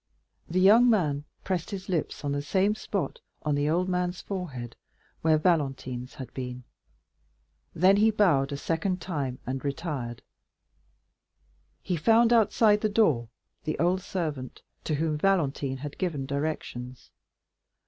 The young man pressed his lips on the same spot, on the old man's forehead, where Valentine's had been. Then he bowed a second time and retired. He found outside the door the old servant, to whom Valentine had given directions.